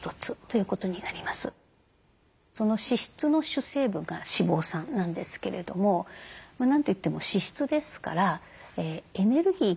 その脂質の主成分が脂肪酸なんですけれども何と言っても脂質ですからエネルギー源としての働きがあります。